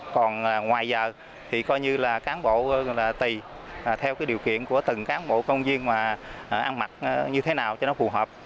còn ngoài giờ thì coi như là cán bộ là tùy theo cái điều kiện của từng cán bộ công viên mà ăn mặc như thế nào cho nó phù hợp